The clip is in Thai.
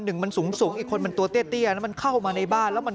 หนึ่งมันสูงสูงอีกคนมันตัวเตี้ยนะมันเข้ามาในบ้านแล้วมัน